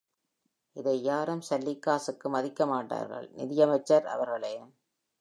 இதை யாரும் சல்லிக்காசுக்கு மதிக்க மாட்டார்கள், நிதியமைச்சர் அவர்களே.